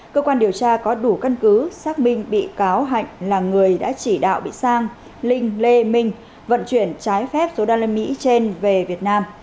cơ quan điều tra có đủ căn cứ xác minh bị cáo hạnh là người đã chỉ đạo bị sang linh lê minh vận chuyển trái phép số đô la mỹ trên về việt nam